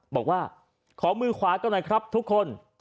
บอกว่าขอมือขวาก็หน่อยครับทุกคน